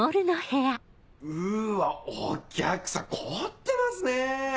うわお客さん凝ってますね！